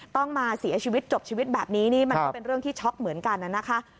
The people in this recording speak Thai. ต้องมาเสียชีวิตจบชีวิตแบบนี้นี่มันก็เป็นเรื่องที่ช็อกเหมือนกันนะคะ